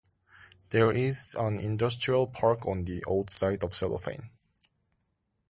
There is an industrial park on the old site of Cellophane.